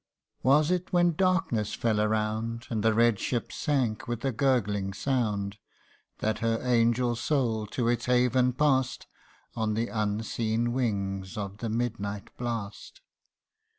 Was it when darkness fell around, And the red ship sank with a gurgling sound That her angel soul to its haven past On the unseen wings of the midnight blast